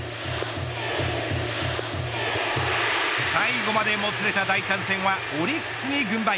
最後までもつれた第３戦はオリックスに軍配。